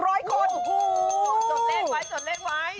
โอ้โหจดเลขไว้จดเลขไว้